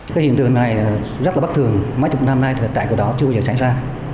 cái hiện tượng này rất là bất thường mấy chục năm nay tại cửa đó chưa bao giờ xảy ra